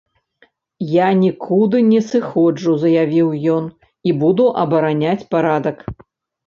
Я нікуды не сыходжу, заявіў ён, і буду абараняць парадак.